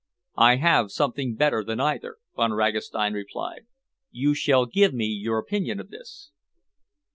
"I have something better than either," Von Ragastein replied. "You shall give me your opinion of this."